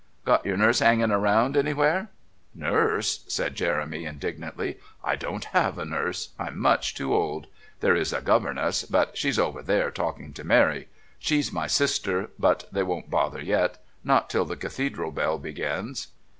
Got your nurse 'anging around anywhere?" "Nurse?" said Jeremy indignantly. "I don't have a nurse. I'm much too old! There is a governess, but she's over there talking to Mary. She's my sister but they won't bother yet not till the Cathedral bell begins."